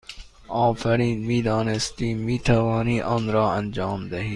آفرین! می دانستیم می توانی آن را انجام دهی!